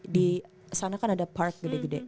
di sana kan ada park gede gede